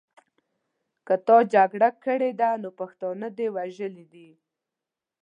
تا که جګړه کړې ده نو پښتانه دې وژلي دي.